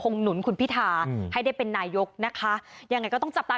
หนุนคุณพิธาให้ได้เป็นนายกนะคะยังไงก็ต้องจับตา